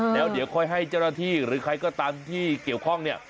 แล้วเดี๋ยวค่อยให้เจ้าหน้าที่หรือใครก็ตามที่เกี่ยวข้องเนี่ย